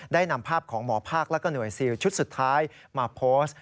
นำภาพของหมอภาคและก็หน่วยซิลชุดสุดท้ายมาโพสต์